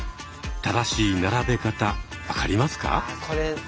正しい並べ方分かりますか？